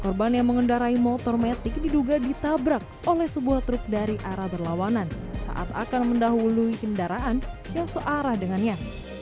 korban yang mengendarai motor metik diduga ditabrak oleh sebuah truk dari arah berlawanan saat akan mendahului kendaraan yang searah dengannya